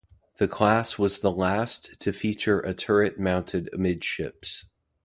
The class was the last to feature a turret mounted amidships.